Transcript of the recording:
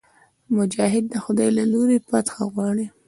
مجاهد د خدای له لورې فتحه غواړي.